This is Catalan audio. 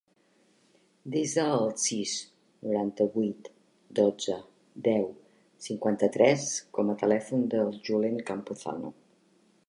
Desa el sis, noranta-vuit, dotze, deu, cinquanta-tres com a telèfon del Julen Campuzano.